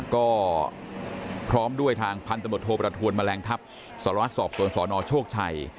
ก็พร้อมด้วยทางพันธบทโทประทวนแมลงทัพสารวัตรสอบสวนสนโชคชัย